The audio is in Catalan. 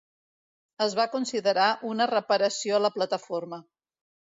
Es va considerar una reparació a la plataforma.